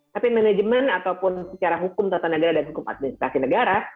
tapi manajemen ataupun secara hukum tata negara dan hukum administrasi negara